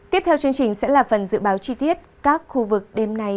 tiếp theo chương trình sẽ là phần dự báo chi tiết các khu vực đêm nay